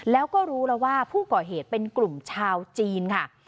แล้วก็รู้แล้วว่าผู้ก่อเหตุเป็นกลุ่มชาวจีนค่ะ